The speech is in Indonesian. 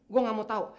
gue gak mau tahu